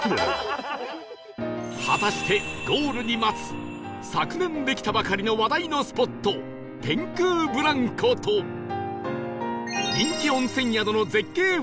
果たしてゴールに待つ昨年できたばかりの話題のスポット天空ブランコと人気温泉宿の絶景